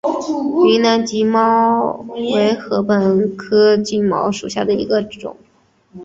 云南金茅为禾本科金茅属下的一个种。